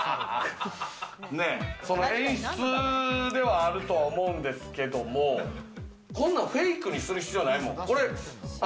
演出ではあると思うんですけども、こんなんフェイクにする必要ないもん。